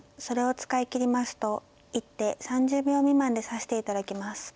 それを使い切りますと一手３０秒未満で指して頂きます。